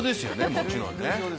もちろんね。